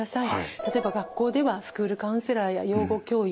例えば学校ではスクールカウンセラーや養護教諭。